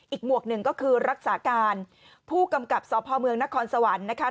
หมวกหนึ่งก็คือรักษาการผู้กำกับสพเมืองนครสวรรค์นะคะ